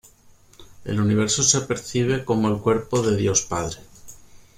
El universo se percibe como el cuerpo de Dios Padre.